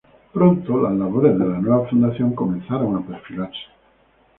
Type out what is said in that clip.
Pronto las labores de la nueva fundación comenzaron a perfilarse.